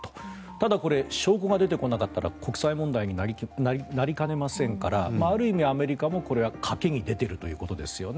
ただ、これ証拠が出てこなかったら国際問題になりかねませんからある意味、アメリカもこれは賭けに出ているということですよね。